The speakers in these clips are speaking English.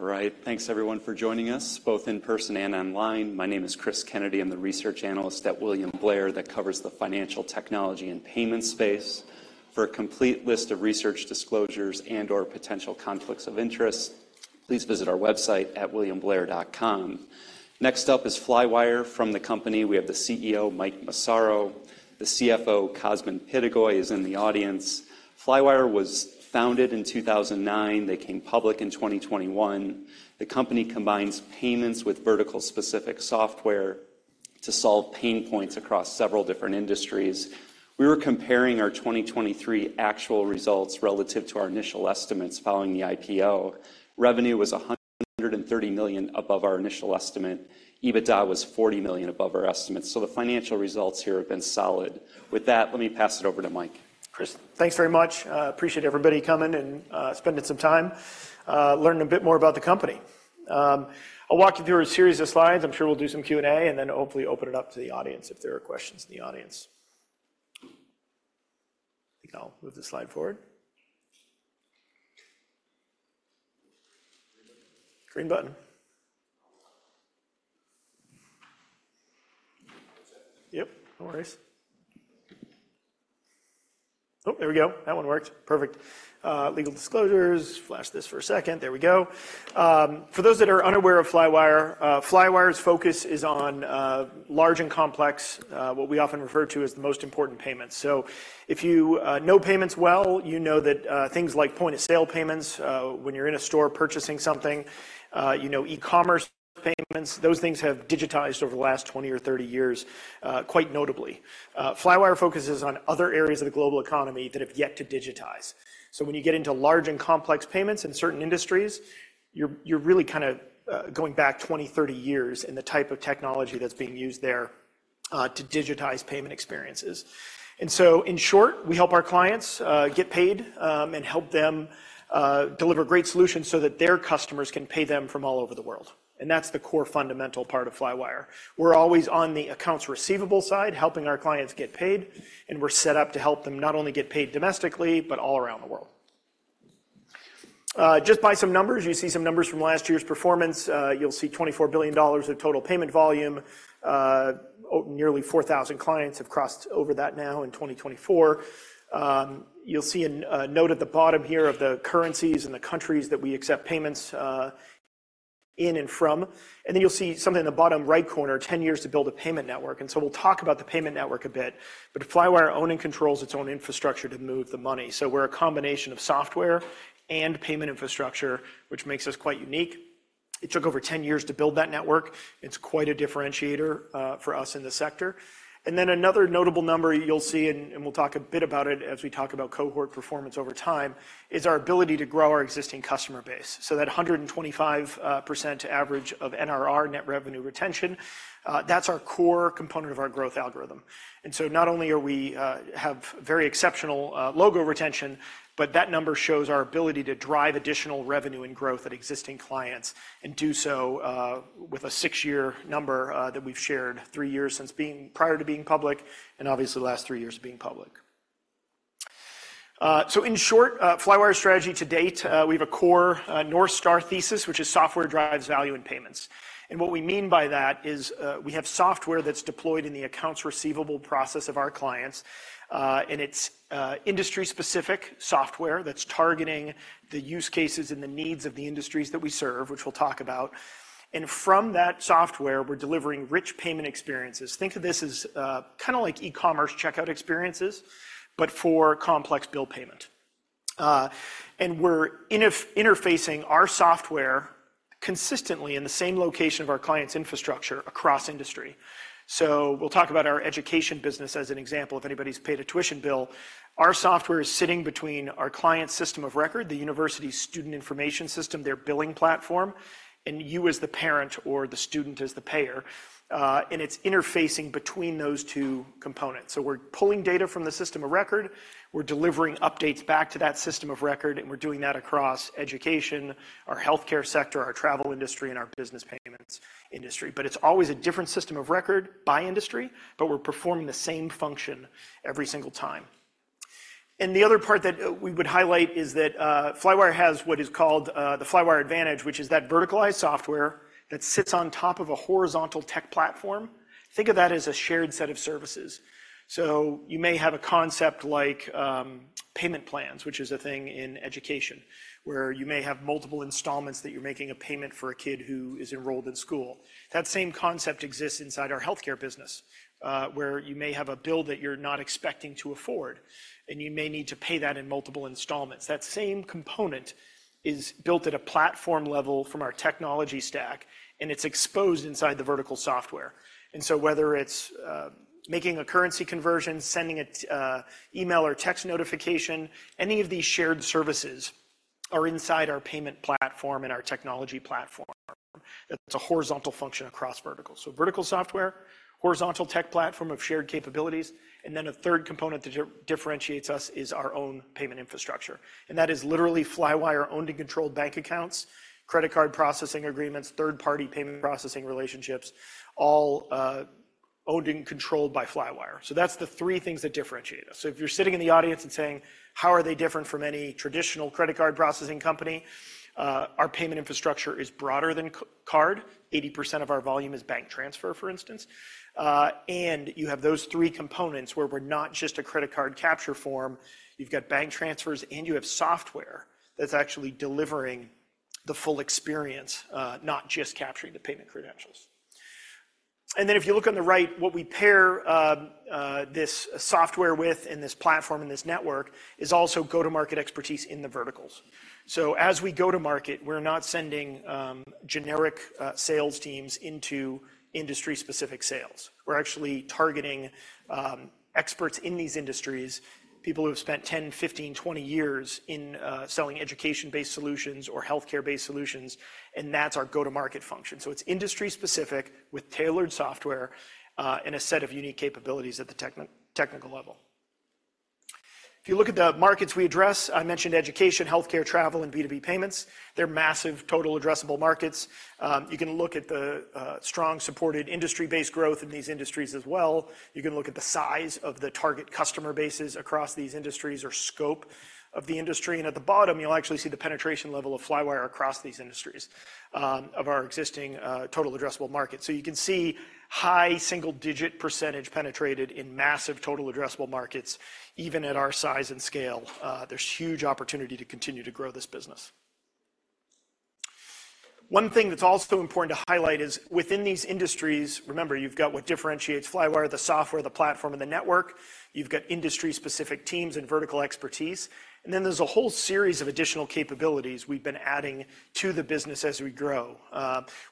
All right, thanks everyone for joining us, both in person and online. My name is Chris Kennedy. I'm the research analyst at William Blair that covers the financial technology and payment space. For a complete list of research disclosures and/or potential conflicts of interest, please visit our website at williamblair.com. Next up is Flywire. From the company, we have the CEO, Mike Massaro. The CFO, Cosmin Pitigoi, is in the audience. Flywire was founded in 2009. They came public in 2021. The company combines payments with vertical-specific software to solve pain points across several different industries. We were comparing our 2023 actual results relative to our initial estimates following the IPO. Revenue was $130 million above our initial estimate. EBITDA was $40 million above our estimates, so the financial results here have been solid. With that, let me pass it over to Mike. Chris, thanks very much. Appreciate everybody coming and, spending some time, learning a bit more about the company. I'll walk you through a series of slides. I'm sure we'll do some Q&A, and then hopefully open it up to the audience if there are questions in the audience. I think I'll move the slide forward. Green button. Yep, no worries. Oh, there we go. That one worked, perfect. Legal disclosures, flash this for a second. There we go. For those that are unaware of Flywire, Flywire's focus is on large and complex what we often refer to as the most important payments. So if you know payments well, you know that things like point-of-sale payments, when you're in a store purchasing something, you know, e-commerce payments, those things have digitized over the last 20 or 30 years, quite notably. Flywire focuses on other areas of the global economy that have yet to digitize. So when you get into large and complex payments in certain industries, you're really kinda going back 20, 30 years in the type of technology that's being used there, to digitize payment experiences. And so, in short, we help our clients get paid, and help them deliver great solutions so that their customers can pay them from all over the world. And that's the core fundamental part of Flywire. We're always on the accounts Receivable side, helping our clients get paid, and we're set up to help them not only get paid domestically, but all around the world. Just by some numbers, you see some numbers from last year's performance. You'll see $24 billion of Total Payment Volume. Nearly 4,000 clients have crossed over that now in 2024. You'll see a note at the bottom here of the currencies and the countries that we accept payments in and from. And then you'll see something in the bottom right corner, 10 years to build a payment network. And so we'll talk about the payment network a bit. But Flywire own and controls its own infrastructure to move the money. So we're a combination of software and payment infrastructure, which makes us quite unique. It took over 10 years to build that network. It's quite a differentiator for us in the sector. Then another notable number you'll see, and we'll talk a bit about it as we talk about cohort performance over time, is our ability to grow our existing customer base. So that 125% average of NRR, net revenue retention, that's our core component of our growth algorithm. And so not only are we have very exceptional logo retention, but that number shows our ability to drive additional revenue and growth at existing clients and do so with a six-year number that we've shared three years since being prior to being public, and obviously, the last three years of being public. So in short, Flywire's strategy to date, we have a core North Star thesis, which is software drives value in payments. And what we mean by that is, we have software that's deployed in the accounts receivable process of our clients, and it's industry-specific software that's targeting the use cases and the needs of the industries that we serve, which we'll talk about. And from that software, we're delivering rich payment experiences. Think of this as, kinda like e-commerce checkout experiences, but for complex bill payment. And we're interfacing our software consistently in the same location of our clients' infrastructure across industry. So we'll talk about our education business as an example. If anybody's paid a tuition bill, our software is sitting between our client's system of record, the university's student information system, their billing platform, and you as the parent or the student as the payer, and it's interfacing between those two components. So we're pulling data from the system of record. We're delivering updates back to that system of record, and we're doing that across education, our healthcare sector, our travel industry, and our business payments industry. But it's always a different system of record by industry, but we're performing the same function every single time. And the other part that we would highlight is that Flywire has what is called the Flywire Advantage, which is that verticalized software that sits on top of a horizontal tech platform. Think of that as a shared set of services. So you may have a concept like payment plans, which is a thing in education, where you may have multiple installments that you're making a payment for a kid who is enrolled in school. That same concept exists inside our healthcare business, where you may have a bill that you're not expecting to afford, and you may need to pay that in multiple installments. That same component is built at a platform level from our technology stack, and it's exposed inside the vertical software. And so whether it's making a currency conversion, sending an email or text notification, any of these shared services are inside our payment platform and our technology platform. It's a horizontal function across verticals. So vertical software, horizontal tech platform of shared capabilities, and then a third component that differentiates us is our own payment infrastructure. And that is literally Flywire-owned and controlled bank accounts, credit card processing agreements, third-party payment processing relationships, all owned and controlled by Flywire. So that's the three things that differentiate us. So if you're sitting in the audience and saying: "How are they different from any traditional credit card processing company?" Our payment infrastructure is broader than card. 80% of our volume is bank transfer, for instance. And you have those three components where we're not just a credit card capture form, you've got bank transfers, and you have software that's actually delivering the full experience, not just capturing the payment credentials. And then if you look on the right, what we pair this software with, and this platform, and this network, is also go-to-market expertise in the verticals. So as we go to market, we're not sending generic sales teams into industry-specific sales. We're actually targeting experts in these industries, people who have spent 10, 15, 20 years in selling education-based solutions or healthcare-based solutions, and that's our go-to-market function. So it's industry-specific with tailored software and a set of unique capabilities at the technical level. If you look at the markets we address, I mentioned education, healthcare, travel, and B2B payments. They're massive, total addressable markets. You can look at the strong, supported industry-based growth in these industries as well. You can look at the size of the target customer bases across these industries or scope of the industry. And at the bottom, you'll actually see the penetration level of Flywire across these industries of our existing total addressable market. So you can see high single-digit % penetrated in massive total addressable markets, even at our size and scale. There's huge opportunity to continue to grow this business. One thing that's also important to highlight is, within these industries... Remember, you've got what differentiates Flywire, the software, the platform, and the network. You've got industry-specific teams and vertical expertise, and then there's a whole series of additional capabilities we've been adding to the business as we grow.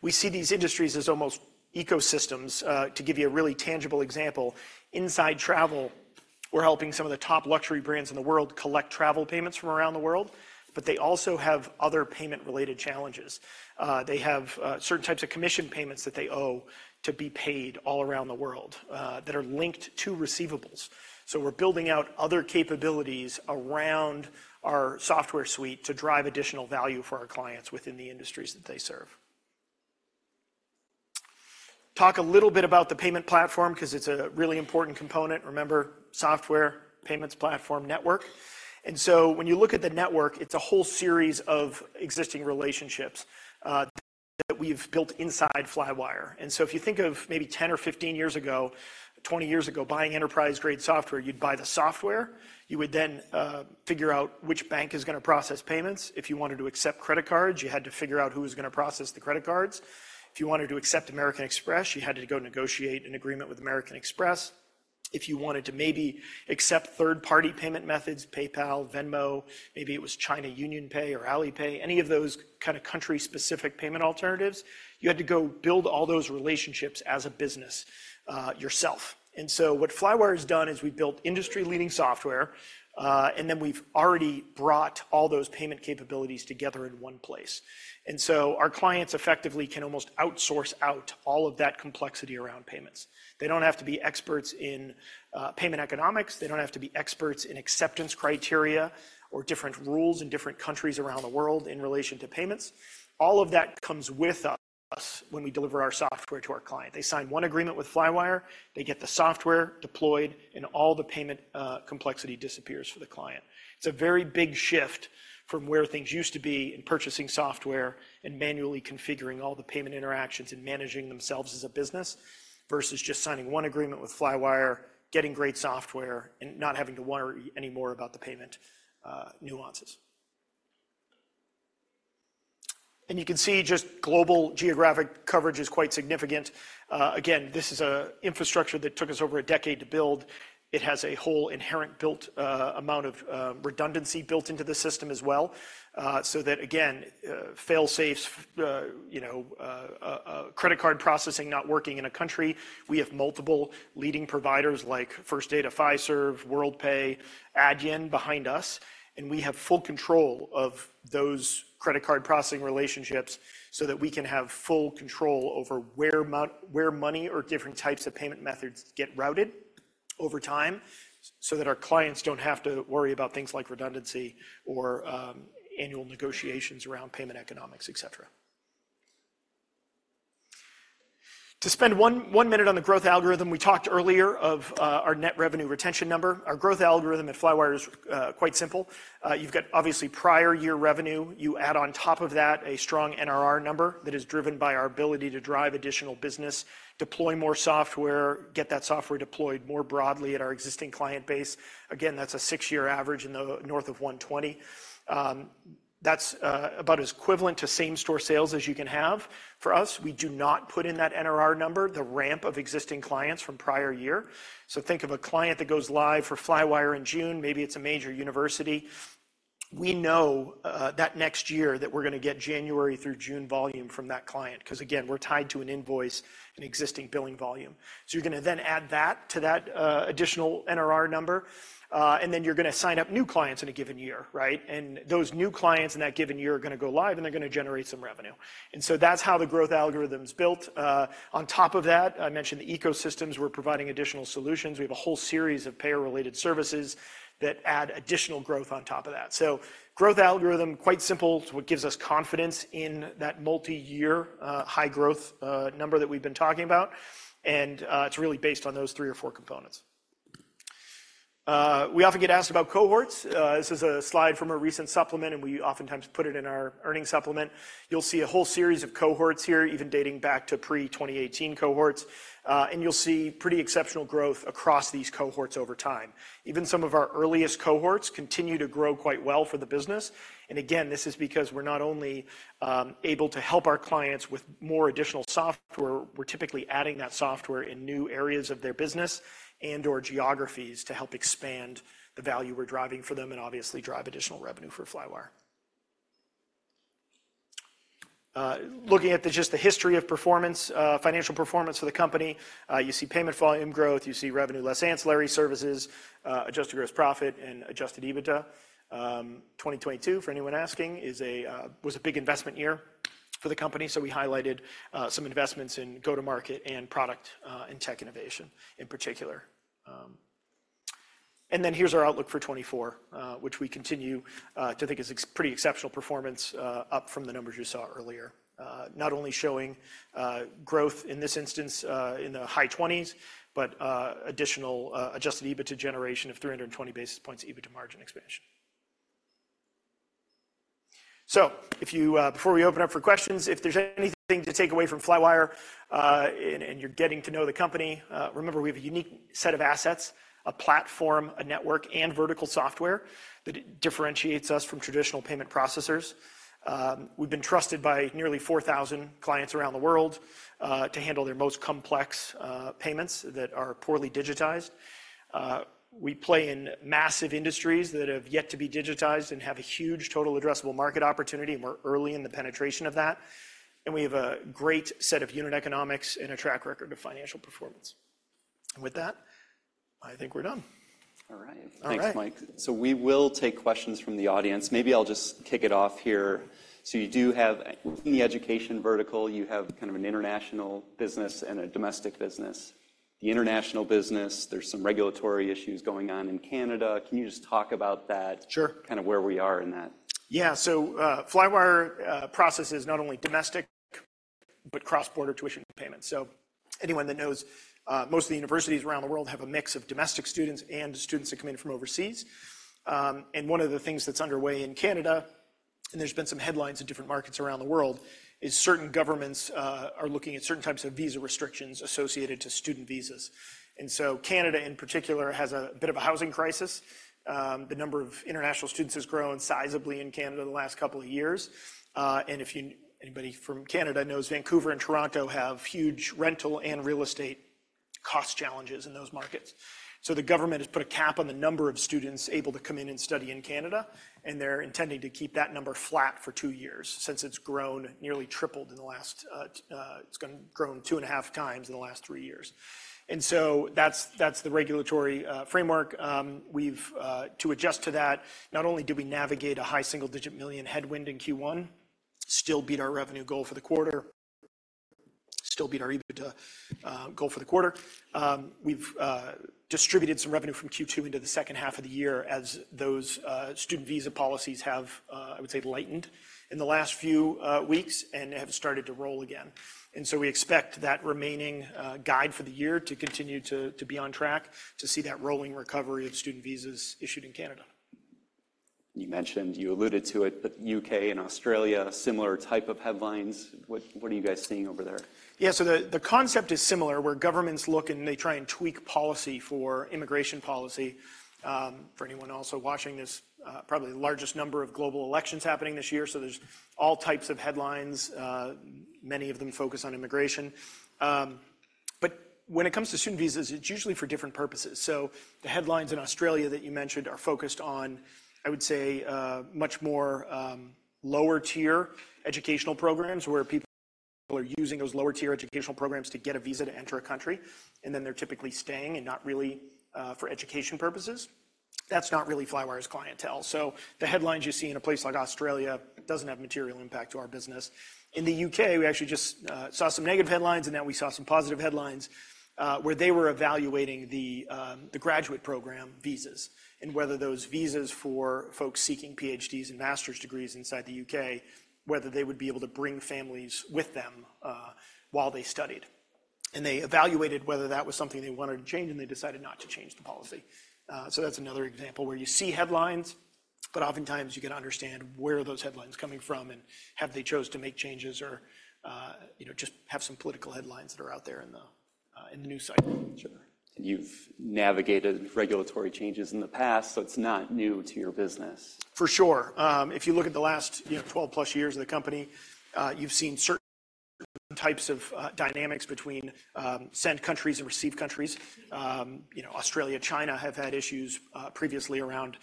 We see these industries as almost ecosystems. To give you a really tangible example, inside travel, we're helping some of the top luxury brands in the world collect travel payments from around the world, but they also have other payment-related challenges. They have certain types of commission payments that they owe to be paid all around the world, that are linked to receivables. So we're building out other capabilities around our software suite to drive additional value for our clients within the industries that they serve. Talk a little bit about the payment platform 'cause it's a really important component. Remember, software, payments platform, network. And so when you look at the network, it's a whole series of existing relationships that we've built inside Flywire. And so if you think of maybe 10 or 15 years ago, 20 years ago, buying enterprise-grade software, you'd buy the software. You would then figure out which bank is gonna process payments. If you wanted to accept credit cards, you had to figure out who was gonna process the credit cards. If you wanted to accept American Express, you had to go negotiate an agreement with American Express. If you wanted to maybe accept third-party payment methods, PayPal, Venmo, maybe it was China UnionPay or Alipay, any of those kind of country-specific payment alternatives, you had to go build all those relationships as a business, yourself. And so what Flywire has done is we've built industry-leading software, and then we've already brought all those payment capabilities together in one place. And so our clients effectively can almost outsource out all of that complexity around payments. They don't have to be experts in payment economics. They don't have to be experts in acceptance criteria or different rules in different countries around the world in relation to payments. All of that comes with us when we deliver our software to our client. They sign one agreement with Flywire, they get the software deployed, and all the payment complexity disappears for the client. It's a very big shift from where things used to be in purchasing software and manually configuring all the payment interactions and managing themselves as a business, versus just signing one agreement with Flywire, getting great software, and not having to worry anymore about the payment nuances. And you can see just global geographic coverage is quite significant. Again, this is a infrastructure that took us over a decade to build. It has a whole inherent built amount of redundancy built into the system as well. So that, again, fail-safes, you know, credit card processing not working in a country. We have multiple leading providers like First Data, Fiserv, Worldpay, Adyen behind us, and we have full control of those credit card processing relationships so that we can have full control over where money or different types of payment methods get routed over time, so that our clients don't have to worry about things like redundancy or annual negotiations around payment economics, et cetera. To spend one minute on the growth algorithm, we talked earlier of our net revenue retention number. Our growth algorithm at Flywire is quite simple. You've got, obviously, prior year revenue. You add on top of that a strong NRR number that is driven by our ability to drive additional business, deploy more software, get that software deployed more broadly at our existing client base. Again, that's a six-year average in the north of 120%. That's about as equivalent to same-store sales as you can have. For us, we do not put in that NRR number, the ramp of existing clients from prior year. So think of a client that goes live for Flywire in June, maybe it's a major university. We know that next year that we're gonna get January through June volume from that client, 'cause again, we're tied to an invoice, an existing billing volume. So you're gonna then add that to that additional NRR number, and then you're gonna sign up new clients in a given year, right? And those new clients in that given year are gonna go live, and they're gonna generate some revenue. And so that's how the growth algorithm is built. On top of that, I mentioned the ecosystems. We're providing additional solutions. We have a whole series of payer-related services that add additional growth on top of that. So growth algorithm, quite simple. It's what gives us confidence in that multiyear, high growth number that we've been talking about. And, it's really based on those three or four components.... We often get asked about cohorts. This is a slide from a recent supplement, and we oftentimes put it in our earnings supplement. You'll see a whole series of cohorts here, even dating back to pre-2018 cohorts. And you'll see pretty exceptional growth across these cohorts over time. Even some of our earliest cohorts continue to grow quite well for the business. And again, this is because we're not only able to help our clients with more additional software, we're typically adding that software in new areas of their business and/or geographies to help expand the value we're driving for them and obviously drive additional revenue for Flywire. Looking at just the history of performance, financial performance for the company, you see payment volume growth, you see revenue, less ancillary services, Adjusted Gross Profit and Adjusted EBITDA. 2022, for anyone asking, is a, was a big investment year for the company. So we highlighted some investments in go-to-market and product, and tech innovation in particular. And then here's our outlook for 2024, which we continue to think is pretty exceptional performance, up from the numbers you saw earlier. Not only showing growth in this instance in the high 20s, but additional Adjusted EBITDA generation of 320 basis points EBITDA margin expansion. So if you before we open up for questions, if there's anything to take away from Flywire, and you're getting to know the company, remember, we have a unique set of assets, a platform, a network, and vertical software that differentiates us from traditional payment processors. We've been trusted by nearly 4,000 clients around the world to handle their most complex payments that are poorly digitized. We play in massive industries that have yet to be digitized and have a huge total addressable market opportunity, and we're early in the penetration of that. And we have a great set of unit economics and a track record of financial performance. With that, I think we're done. All right. All right. Thanks, Mike. So we will take questions from the audience. Maybe I'll just kick it off here. So you do have in the education vertical, you have kind of an international business and a domestic business. The international business, there's some regulatory issues going on in Canada. Can you just talk about that? Sure. Kind of where we are in that. Yeah. So, Flywire processes not only domestic, but cross-border tuition payments. So anyone that knows, most of the universities around the world have a mix of domestic students and students that come in from overseas. And one of the things that's underway in Canada, and there's been some headlines in different markets around the world, is certain governments are looking at certain types of visa restrictions associated to student visas. And so Canada, in particular, has a bit of a housing crisis. The number of international students has grown sizably in Canada in the last couple of years. And anybody from Canada knows, Vancouver and Toronto have huge rental and real estate cost challenges in those markets. So the government has put a cap on the number of students able to come in and study in Canada, and they're intending to keep that number flat for two years, since it's grown nearly tripled in the last. It's grown two and a half times in the last three years. So that's the regulatory framework. We've to adjust to that, not only did we navigate a $ high single-digit million headwind in Q1, still beat our revenue goal for the quarter, still beat our EBITDA goal for the quarter. We've distributed some revenue from Q2 into the second half of the year as those student visa policies have, I would say, lightened in the last few weeks and have started to roll again. And so we expect that remaining guide for the year to continue to be on track to see that rolling recovery of student visas issued in Canada. You mentioned, you alluded to it, but U.K. and Australia, similar type of headlines. What, what are you guys seeing over there? Yeah, so the concept is similar, where governments look, and they try and tweak policy for immigration policy. For anyone also watching this, probably the largest number of global elections happening this year, so there's all types of headlines, many of them focus on immigration. But when it comes to student visas, it's usually for different purposes. So the headlines in Australia that you mentioned are focused on, I would say, much more, lower-tier educational programs, where people are using those lower-tier educational programs to get a visa to enter a country, and then they're typically staying and not really, for education purposes. That's not really Flywire's clientele. So the headlines you see in a place like Australia doesn't have material impact to our business. In the U.K., we actually just saw some negative headlines, and then we saw some positive headlines, where they were evaluating the graduate program visas and whether those visas for folks seeking PhDs and master's degrees inside the U.K., whether they would be able to bring families with them while they studied. And they evaluated whether that was something they wanted to change, and they decided not to change the policy. So that's another example where you see headlines, but oftentimes, you can understand where are those headlines coming from and have they chose to make changes or, you know, just have some political headlines that are out there in the news cycle. Sure. And you've navigated regulatory changes in the past, so it's not new to your business. For sure. If you look at the last, you know, 12+ years of the company, you've seen certain types of dynamics between send countries and receive countries. You know, Australia, China have had issues previously around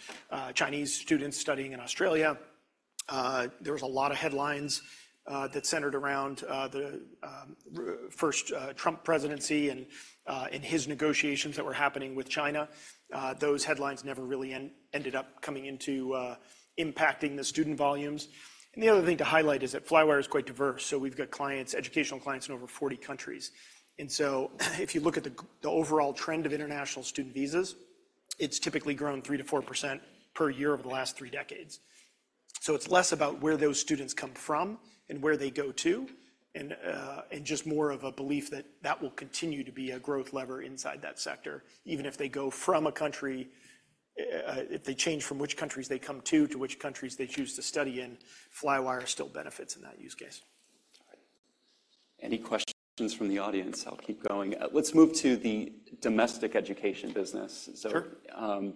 Chinese students studying in Australia. There was a lot of headlines that centered around the first Trump presidency and his negotiations that were happening with China. Those headlines never really ended up coming into impacting the student volumes. And the other thing to highlight is that Flywire is quite diverse, so we've got clients, educational clients in over 40 countries. And so, if you look at the overall trend of international student visas, it's typically grown 3%-4% per year over the last three decades. So it's less about where those students come from and where they go to, and just more of a belief that that will continue to be a growth lever inside that sector, even if they go from a country, if they change from which countries they come to, to which countries they choose to study in, Flywire still benefits in that use case. Any questions from the audience? I'll keep going. Let's move to the domestic education business. Sure.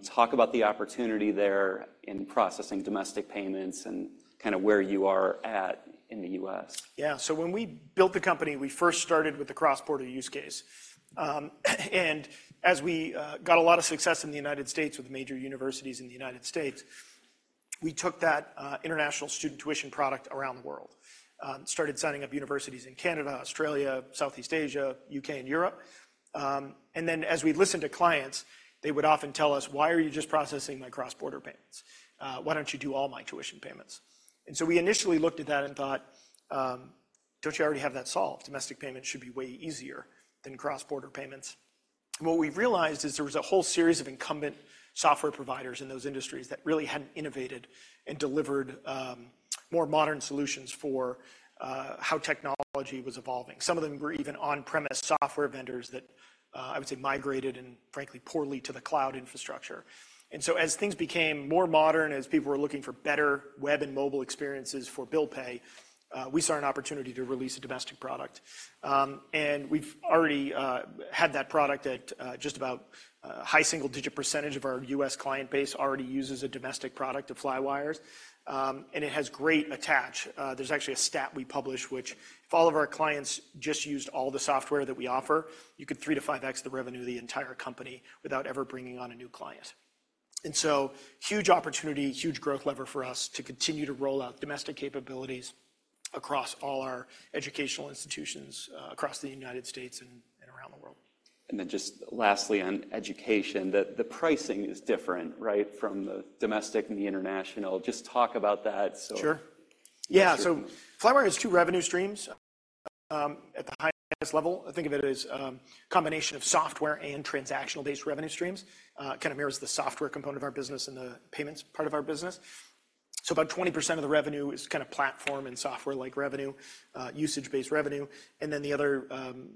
Talk about the opportunity there in processing domestic payments and kinda where you are at in the U.S. Yeah. So when we built the company, we first started with the cross-border use case. And as we got a lot of success in the United States with major universities in the United States, we took that international student tuition product around the world. Started signing up universities in Canada, Australia, Southeast Asia, UK, and Europe. And then as we listened to clients, they would often tell us: "Why are you just processing my cross-border payments? Why don't you do all my tuition payments?" And so we initially looked at that and thought, don't you already have that solved? Domestic payments should be way easier than cross-border payments. What we've realized is there was a whole series of incumbent software providers in those industries that really hadn't innovated and delivered more modern solutions for how technology was evolving. Some of them were even on-premise software vendors that, I would say, migrated and frankly, poorly to the cloud infrastructure. And so as things became more modern, as people were looking for better web and mobile experiences for bill pay, we saw an opportunity to release a domestic product. And we've already had that product at just about a high single-digit % of our U.S. client base already uses a domestic product of Flywire's, and it has great attach. There's actually a stat we publish which if all of our clients just used all the software that we offer, you could 3x-5x the revenue of the entire company without ever bringing on a new client. And so huge opportunity, huge growth lever for us to continue to roll out domestic capabilities across all our educational institutions, across the United States and around the world. And then just lastly, on education, the pricing is different, right? From the domestic and the international. Just talk about that, so- Sure. Sure. Yeah, so Flywire has two revenue streams. At the highest level, think of it as, combination of software and transactional-based revenue streams. Kinda mirrors the software component of our business and the payments part of our business. So about 20% of the revenue is kinda platform and software-like revenue, usage-based revenue, and then the other,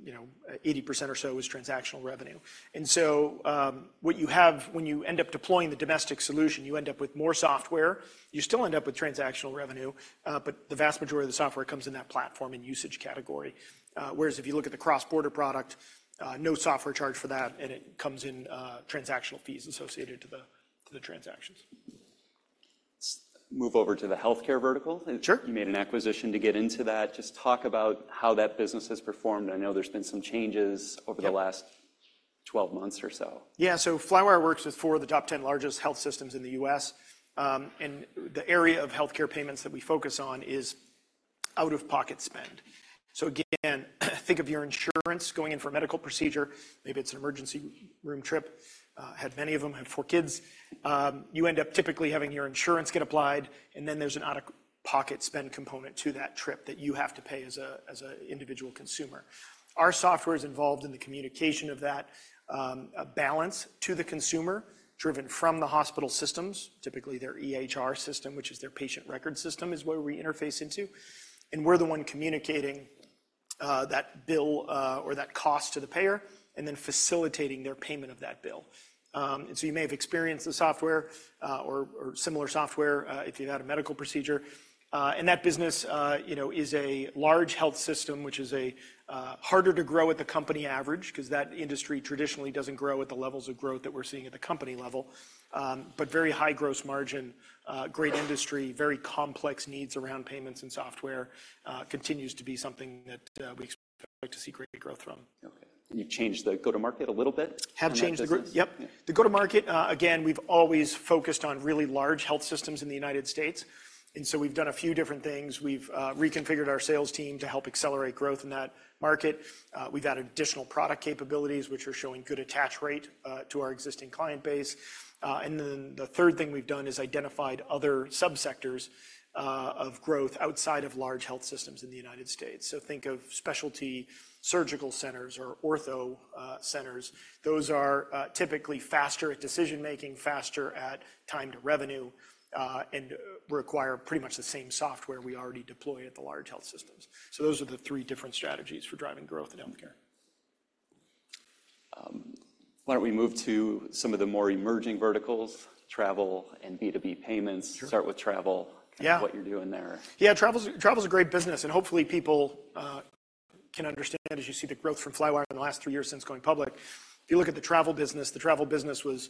you know, 80% or so is transactional revenue. And so, what you have when you end up deploying the domestic solution, you end up with more software. You still end up with transactional revenue, but the vast majority of the software comes in that platform and usage category. Whereas if you look at the cross-border product, no software charge for that, and it comes in, transactional fees associated to the transactions. Move over to the healthcare vertical. Sure. And you made an acquisition to get into that. Just talk about how that business has performed. I know there's been some changes- Yep... over the last 12 months or so. Yeah, so Flywire works with 4 of the top 10 largest health systems in the U.S., and the area of healthcare payments that we focus on is out-of-pocket spend. So again, think of your insurance going in for a medical procedure. Maybe it's an emergency room trip. Had many of them, have 4 kids. You end up typically having your insurance get applied, and then there's an out-of-pocket spend component to that trip that you have to pay as an individual consumer. Our software is involved in the communication of that balance to the consumer, driven from the hospital systems, typically their EHR system, which is their patient record system, is where we interface into, and we're the one communicating that bill or that cost to the payer, and then facilitating their payment of that bill. And so you may have experienced the software, or similar software, if you've had a medical procedure. And that business, you know, is a large health system, which is harder to grow at the company average, 'cause that industry traditionally doesn't grow at the levels of growth that we're seeing at the company level. But very high gross margin, great industry, very complex needs around payments and software, continues to be something that we expect to see great growth from. Okay, and you've changed the go-to-market a little bit? Have changed the gr- Yeah. Yep. Yeah. The go-to-market, again, we've always focused on really large health systems in the United States, and so we've done a few different things. We've reconfigured our sales team to help accelerate growth in that market. We've added additional product capabilities, which are showing good attach rate to our existing client base. And then the third thing we've done is identified other subsectors of growth outside of large health systems in the United States. So think of specialty surgical centers or ortho centers. Those are typically faster at decision-making, faster at time to revenue, and require pretty much the same software we already deploy at the large health systems. So those are the three different strategies for driving growth in healthcare. Why don't we move to some of the more emerging verticals, travel and B2B payments? Sure. Start with travel- Yeah... and what you're doing there. Yeah, travel's, travel's a great business, and hopefully, people can understand, as you see the growth from Flywire in the last three years since going public. If you look at the travel business, the travel business was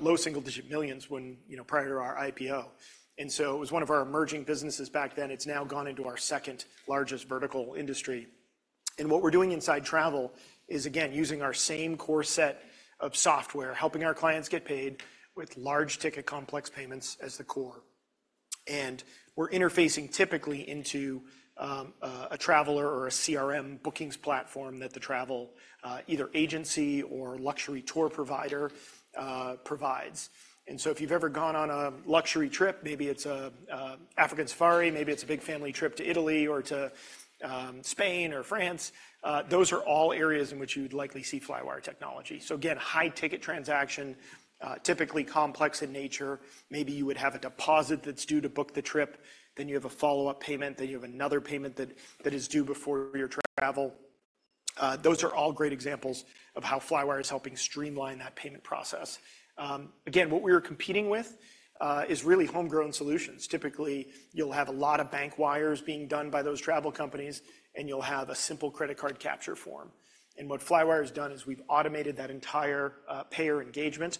low single-digit $ millions when, you know, prior to our IPO. And so it was one of our emerging businesses back then. It's now gone into our second largest vertical industry. And what we're doing inside travel is, again, using our same core set of software, helping our clients get paid with large ticket complex payments as the core. And we're interfacing typically into a traveler or a CRM bookings platform that the travel either agency or luxury tour provider provides. If you've ever gone on a luxury trip, maybe it's an African safari, maybe it's a big family trip to Italy or to Spain or France, those are all areas in which you'd likely see Flywire technology. So again, high-ticket transactions, typically complex in nature. Maybe you would have a deposit that's due to book the trip, then you have a follow-up payment, then you have another payment that is due before your travel. Those are all great examples of how Flywire is helping streamline that payment process. Again, what we are competing with is really homegrown solutions. Typically, you'll have a lot of bank wires being done by those travel companies, and you'll have a simple credit card capture form. What Flywire has done is we've automated that entire payer engagement,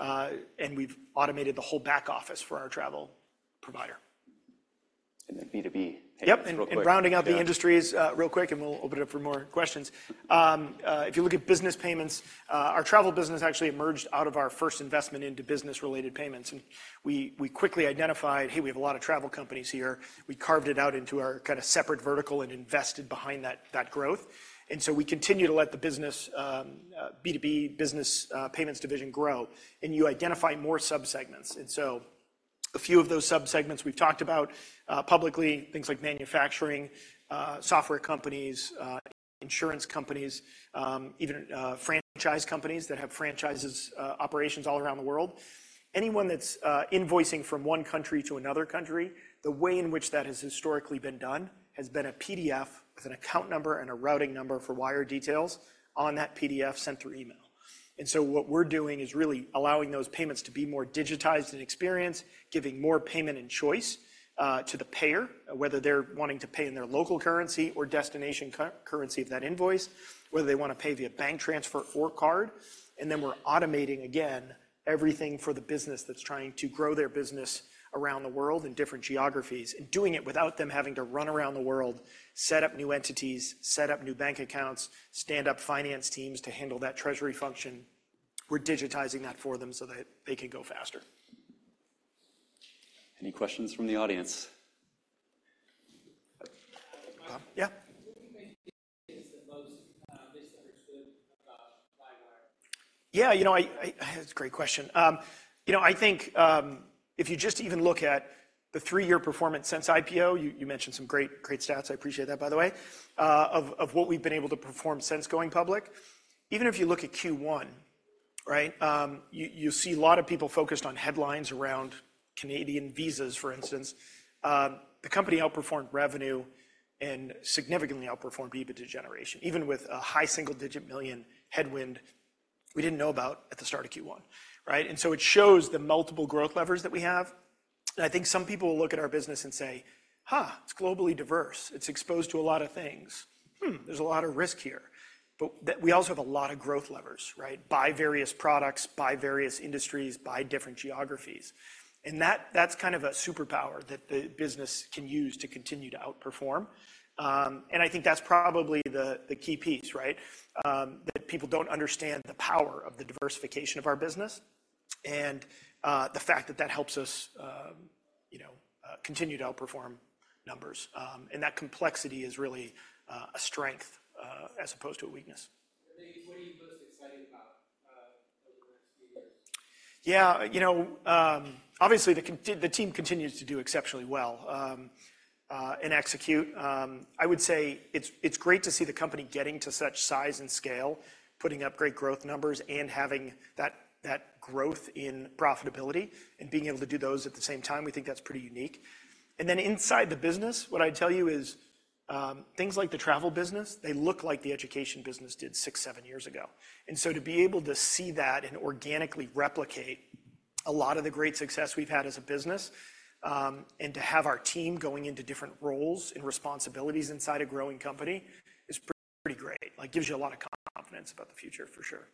and we've automated the whole back office for our travel provider. And then B2B payments real quick- Yep, and rounding out the industries real quick, and we'll open it up for more questions. If you look at business payments, our travel business actually emerged out of our first investment into business-related payments. And we quickly identified, hey, we have a lot of travel companies here. We carved it out into our kind of separate vertical and invested behind that growth. And so we continue to let the business B2B business payments division grow, and you identify more subsegments. And so a few of those subsegments we've talked about publicly, things like manufacturing, software companies, insurance companies, even franchise companies that have franchises operations all around the world. Anyone that's invoicing from one country to another country, the way in which that has historically been done has been a PDF with an account number and a routing number for wire details on that PDF sent through email. And so what we're doing is really allowing those payments to be more digitized in experience, giving more payment and choice to the payer, whether they're wanting to pay in their local currency or destination currency of that invoice, whether they want to pay via bank transfer or card. And then we're automating, again, everything for the business that's trying to grow their business around the world in different geographies, and doing it without them having to run around the world, set up new entities, set up new bank accounts, stand up finance teams to handle that treasury function. We're digitizing that for them so that they can go faster. Any questions from the audience? Yeah. What do you think is the most misunderstood about Flywire? Yeah, you know, That's a great question. You know, I think, if you just even look at the three-year performance since IPO, you mentioned some great, great stats, I appreciate that, by the way, of what we've been able to perform since going public. Even if you look at Q1, right, you see a lot of people focused on headlines around Canadian visas, for instance. The company outperformed revenue and significantly outperformed EBITDA generation, even with a high single-digit $ million headwind we didn't know about at the start of Q1, right? And so it shows the multiple growth levers that we have. And I think some people will look at our business and say: "Ha, it's globally diverse. It's exposed to a lot of things. There's a lot of risk here," but that we also have a lot of growth levers, right? By various products, by various industries, by different geographies. And that, that's kind of a superpower that the business can use to continue to outperform. And I think that's probably the key piece, right? That people don't understand the power of the diversification of our business and, you know, continue to outperform numbers. And that complexity is really a strength as opposed to a weakness. Then what are you most excited about, over the next few years? Yeah, you know, obviously, the team continues to do exceptionally well, and execute. I would say it's great to see the company getting to such size and scale, putting up great growth numbers, and having that growth in profitability and being able to do those at the same time. We think that's pretty unique. And then inside the business, what I'd tell you is, things like the travel business, they look like the education business did six, seven years ago. And so to be able to see that and organically replicate a lot of the great success we've had as a business, and to have our team going into different roles and responsibilities inside a growing company is pretty great. Like, it gives you a lot of confidence about the future, for sure.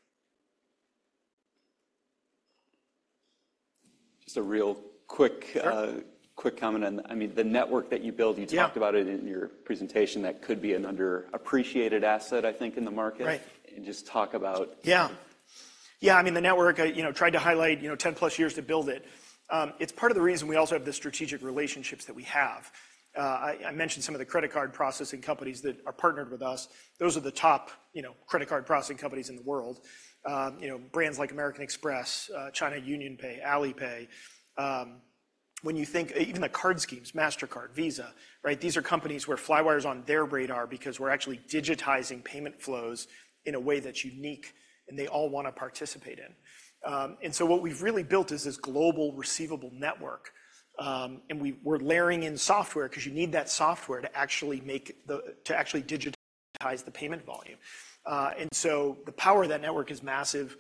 Just a real quick- Sure... quick comment on, I mean, the network that you build- Yeah. you talked about it in your presentation, that could be an underappreciated asset, I think, in the market. Right. Just talk about... Yeah. Yeah, I mean, the network, I, you know, tried to highlight, you know, 10+ years to build it. It's part of the reason we also have the strategic relationships that we have. I mentioned some of the credit card processing companies that are partnered with us. Those are the top, you know, credit card processing companies in the world. You know, brands like American Express, China UnionPay, Alipay. When you think even the card schemes, Mastercard, Visa, right? These are companies where Flywire is on their radar because we're actually digitizing payment flows in a way that's unique and they all want to participate in. And so what we've really built is this global receivable network, and we're layering in software because you need that software to actually make the, to actually digitize the payment volume. And so the power of that network is massive.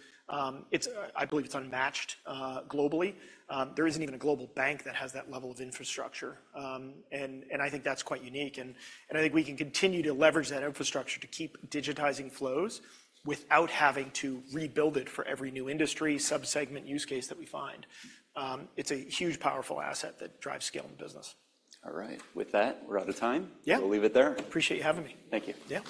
It's, I believe it's unmatched globally. There isn't even a global bank that has that level of infrastructure, and, and I think that's quite unique. And, and I think we can continue to leverage that infrastructure to keep digitizing flows without having to rebuild it for every new industry, subsegment, use case that we find. It's a huge, powerful asset that drives scale in the business. All right. With that, we're out of time. Yeah. We'll leave it there. Appreciate you having me. Thank you. Yeah.